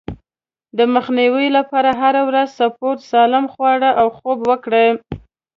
د مخنيوي لپاره هره ورځ سپورت، سالم خواړه او خوب وکړئ.